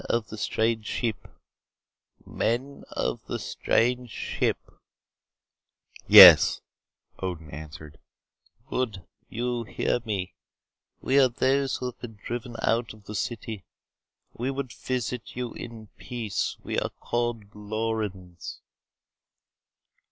"Men of the strange ship. Men of the strange ship " "Yes," Odin answered. "Good. You hear me. We are those who have been driven out of the city. We would visit you in peace. We are called Lorens."